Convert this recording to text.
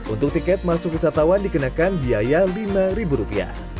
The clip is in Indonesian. untuk tiket masuk wisatawan dikenakan biaya rp lima